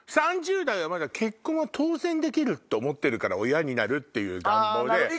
３０代はまだ結婚は当然できるって思ってるから親になるっていう願望で。